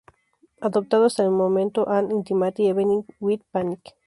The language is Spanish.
Adoptado hasta el momento "An Intimate Evening with Panic!